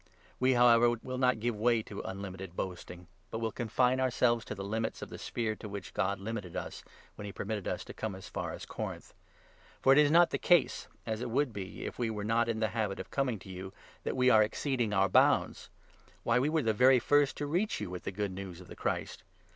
We, however, will not give way to 13 unlimited boasting, but will confine ourselves to the limits of the sphere to which God limited us, when he permitted us to come as far as Corinth. For it is not the case, as it would be 14 if we were not in the habit of coming to you, that we are exceeding our bounds ! Why, we were the very first to reach you with the Good News of the Christ